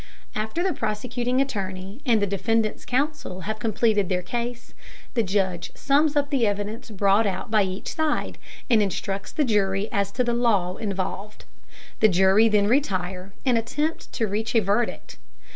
After the prosecuting attorney and the defendant's counsel have completed their case, the judge sums up the evidence brought out by each side, and instructs the jury as to the law involved. The jury then retire and attempt to reach a verdict.